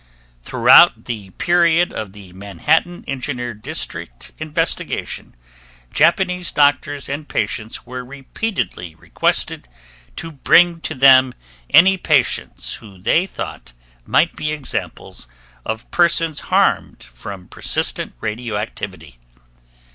Throughout the period of the Manhattan Engineer District investigation, Japanese doctors and patients were repeatedly requested to bring to them any patients who they thought might be examples of persons harmed from persistent radioactivity.